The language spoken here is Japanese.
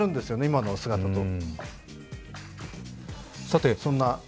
今の姿と。